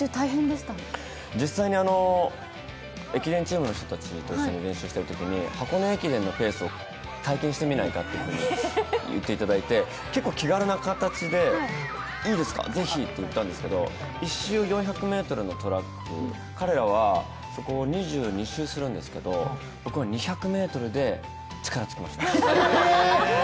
実際に駅伝チ−ムの人たちと練習しているときに箱根駅伝のペースを体験してみないかと言っていただいて結構気軽な形で、いいですか、ぜひって言ったんですけど、１周４００ｍのトラック、彼らはそこを２２周するんですけど僕は２００ｍで力尽きました。